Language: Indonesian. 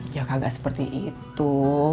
ya kagak seperti itu